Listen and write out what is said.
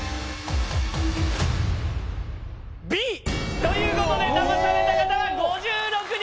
ということで騙された方は５６人。